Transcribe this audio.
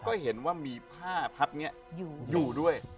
ก็เห็นว่ามีผ้าพับนี้อยู่ด้วย